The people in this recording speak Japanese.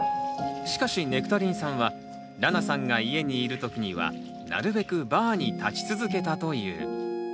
しかしネクタリンさんはらなさんが家にいるときにはなるべくバーに立ち続けたという。